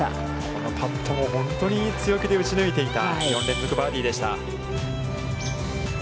このパットも本当に強気で打ち抜いていた、４連続バーディーでした。